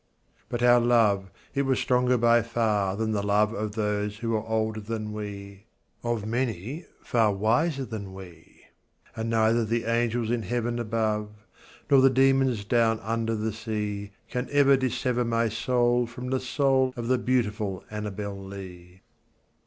But our love it was stronger by far than the love Of those who were older than we Of many far wiser than we And neither the angels in heaven above, Nor the demons down under the sea, Can ever dissever my soul from the soul Of the beautiful Annabel Lee.